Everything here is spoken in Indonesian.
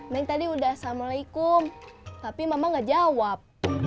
neng tadi udah assalamualaikum tapi mama nggak jawab